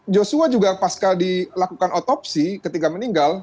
joshua juga pasca dilakukan otopsi ketika meninggal